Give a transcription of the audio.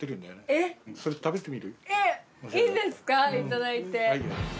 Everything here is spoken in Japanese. えっいいんですかいただいて。